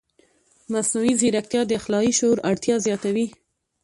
مصنوعي ځیرکتیا د اخلاقي شعور اړتیا زیاتوي.